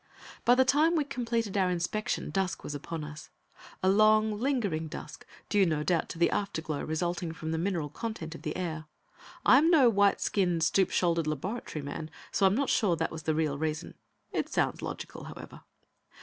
By the time we completed our inspection dusk was upon us a long, lingering dusk, due, no doubt, to the afterglow resulting from the mineral content of the air. I'm no white skinned, stoop shouldered laboratory man, so I'm not sure that was the real reason. It sounds logical, however.